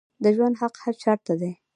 د ژوند حق هر چا ته دی